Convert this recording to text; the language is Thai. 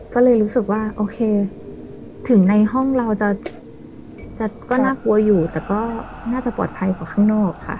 ก็เลยรู้สึกว่าโอเคถึงในห้องเราก็น่ากลัวอยู่แต่ก็น่าจะปลอดภัยกว่าข้างนอกค่ะ